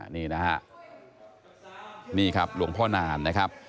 นี่นะฮะนี่ครับหลวงพ่อนานนะครับ